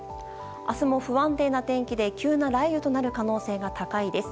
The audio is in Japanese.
明日も不安定な天気で急な雷雨となる可能性が高いです。